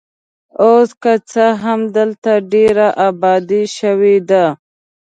اوس که څه هم دلته ډېره ابادي شوې ده.